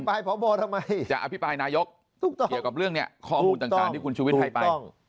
จะอภิกรายพอบอทำไมจะอภิกรายนายกเกี่ยวกับเรื่องเนี่ยข้อมูลต่างที่คุณชุวิตให้ไป